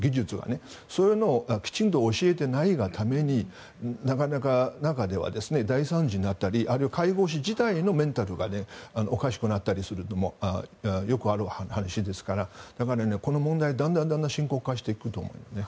そういうのをきちんと教えてないがためになかなか中では大惨事になったりあるいは介護士自体のメンタルがおかしくなったりすることもよくある話ですからだから、この問題はだんだん深刻化していくと思います。